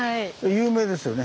有名ですよね。